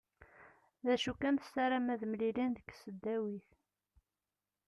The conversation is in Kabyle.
D acu kan tessaram ad mlilen deg tesdawit.